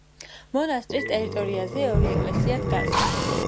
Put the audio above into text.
მონასტრის ტერიტორიაზე ორი ეკლესია დგას.